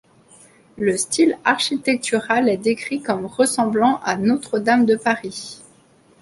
Le style architectural est décrit comme ressemblant à Notre Dame de Paris.